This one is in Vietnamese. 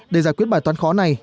để giải quyết bài toán khó này